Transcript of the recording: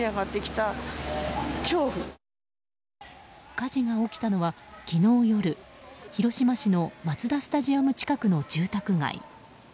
火事が起きたのは、昨日夜広島市のマツダスタジアム近くの住宅街。